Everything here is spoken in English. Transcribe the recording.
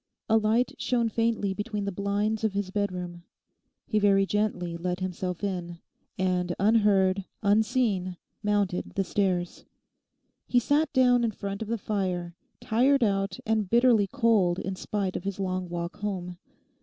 A light shone faintly between the blinds of his bedroom. He very gently let himself in, and unheard, unseen, mounted the stairs. He sat down in front of the fire, tired out and bitterly cold in spite of his long walk home.